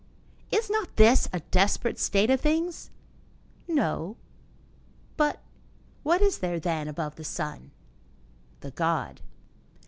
Is not this a desperate state of things? No. But what is there, then, above the sun? The god.